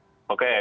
oke kalau rt pcr